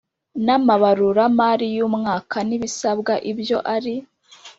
n amabaruramari y umwaka n ibisabwa ibyo ari